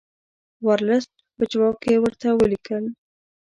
ورلسټ په جواب کې ورته ولیکل.